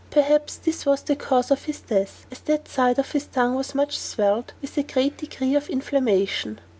[Perhaps this was the cause of his death, as that side of his tongue was much swelled, with a great degree of inflammation.